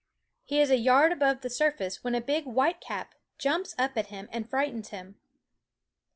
He is a yard above the surface when a big whitecap jumps up at him and frightens him.